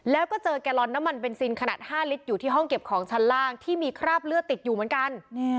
แล้วก็เจอแกลลอนน้ำมันเบนซินขนาด๕ลิตรอยู่ที่ห้องเก็บของชั้นล่างที่มีคราบเลือดติดอยู่เหมือนกัน